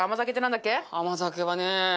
甘酒はね。